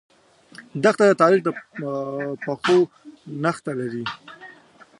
دښته د تاریخ د پښو نخښه لري.